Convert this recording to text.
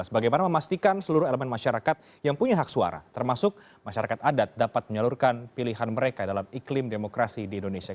bagaimana memastikan seluruh elemen masyarakat yang punya hak suara termasuk masyarakat adat dapat menyalurkan pilihan mereka dalam iklim demokrasi di indonesia